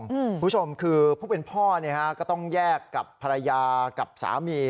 คุณผู้ชมคือผู้เป็นพ่อก็ต้องแยกกับภรรยากับสามี